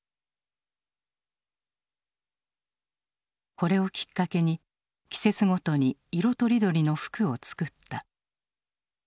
これをきっかけに季節ごとに色とりどりの服を作った。